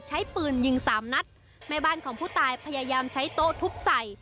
ใช้ปืนยิงสามนัดแม่บ้านของผู้ตายพยายามใช้โต๊ะทุบใส่